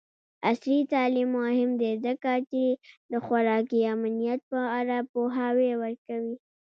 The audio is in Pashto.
عصري تعلیم مهم دی ځکه چې د خوراکي امنیت په اړه پوهاوی ورکوي.